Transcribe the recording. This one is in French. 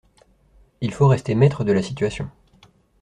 Il faut rester maître de la situation.